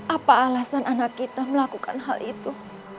apa alasan anak kita melakukan hal itu